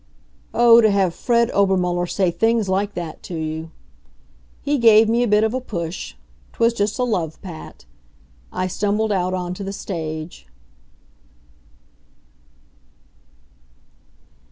Oh, to have Fred Obermuller say things like that to you! He gave me a bit of a push. 'Twas just a love pat. I stumbled out on to the stage.